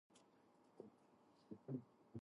She was founder of the Belarusian Theater Society.